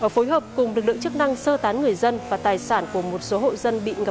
phối hợp cùng lực lượng chức năng sơ tán người dân và tài sản của một số hộ dân bị ngập nặng tại xã trường sôm